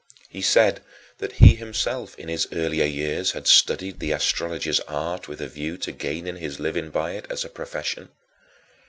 He said that he himself in his earlier years had studied the astrologers' art with a view to gaining his living by it as a profession.